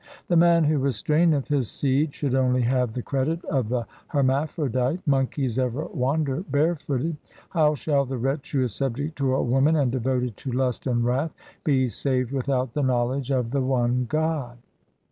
The man who restraineth his seed should only have the credit of the hermaphrodite; monkeys ever wander bare footed. How shall the wretch who is subject to a woman and devoted to lust and wrath, be saved without the knowledge of the one God